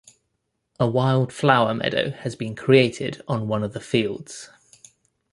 A wild flower meadow has been created on one of the fields.